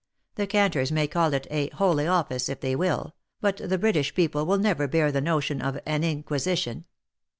The canters may call it a holy office, if they will, but the British people will never bear the notion of an inquisition.